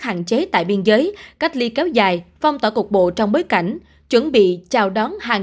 hạn chế tại biên giới cách ly kéo dài phong tỏa cục bộ trong bối cảnh chuẩn bị chào đón hàng